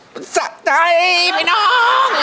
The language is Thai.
มันสะใจไปน้อง